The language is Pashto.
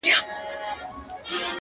• د مرور روح د پخلا وجود کانې دي ته.